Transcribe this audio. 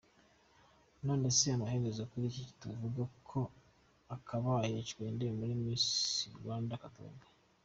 Nonese amaherezo kuri iki tuvuge ko akabaye icwende muri Miss Rwanda katoga….